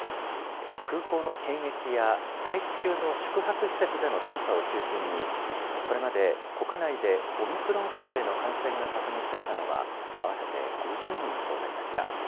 空港の検疫や待機中の宿泊施設での検査を中心に、これまで国内でオミクロン株への感染が確認されたのは、合わせて５０人となりました。